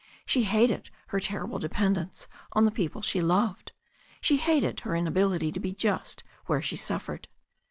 She hated her terrible dependence on the people she loved. She hated her inability to be just where she suffered.